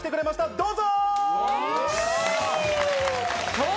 どうぞ！